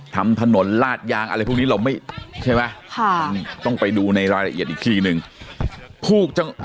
ทำถนนลาดยางอะไรพวกนี้เราไม่ใช่ไหมค่ะต้องไปดูในรายละเอียดอีกทีหนึ่ง